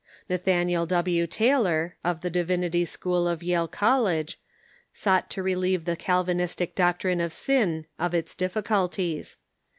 Nathaniel W. Tayloi', of the Divinity School of Yale College, sought to relieve the Calvinistic doctrine of sin of its dithculties.